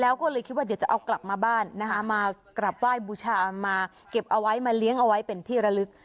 แล้วก็เลยคิดว่าเดี๋ยวจะเอากลับมาบ้านนะคะมากราบไหว้บูชามาเก็บเอาไว้มาเลี้ยงเอาไว้เป็นที่ระลึก